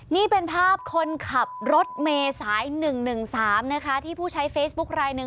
นี่เป็นภาพคนขับรถเมย์สายหนึ่งหนึ่งสามนะคะที่ผู้ใช้เฟซบุ๊กไลน์หนึ่ง